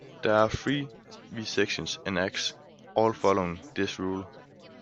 There are three "we sections" in "Acts", all following this rule.